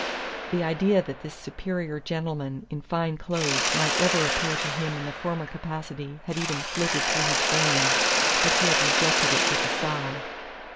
The idea that this superior gentleman in fine clothes might ever appear to him in the former capacity had even flitted through his brain, but he had rejected it with a sigh.